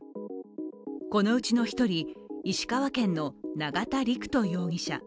このうちの１人、石川県の永田陸人容疑者。